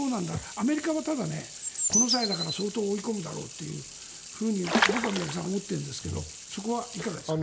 アメリカはただ、この際だから相当追い込むだろうというふうに僕は宮家さん思っているんですがそこはいかがですか？